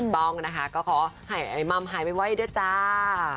ต้องนะคะก็ขอให้ไอ้มัมหายไวด้วยจ้า